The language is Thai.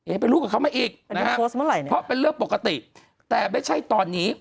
ไปรู้กับเขามาอีกนะฮะเพราะเป็นเรื่องปกติแต่ไม่ใช่ตอนนี้